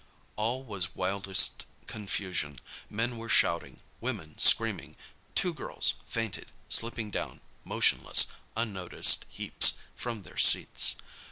All was wildest confusion. Men were shouting, women screaming—two girls fainted, slipping down, motionless, unnoticed heaps, from their seats.